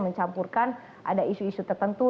mencampurkan ada isu isu tertentu